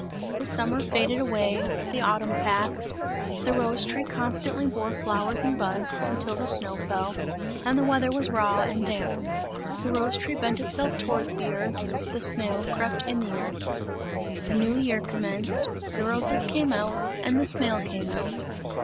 The summer faded away, the autumn passed, the rose tree constantly bore flowers and buds, until the snow fell, and the weather was raw and damp. The rose tree bent itself towards the earth, the snail crept in the earth. A new year commenced; the roses came out, and the snail came out.